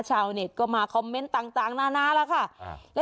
ชาวเน็ตก็มาคอมเมนต์ต่างนานาแล้วค่ะ